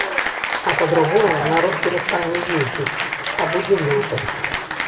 А па-другое, народ перастане ездзіць, а будзе лётаць.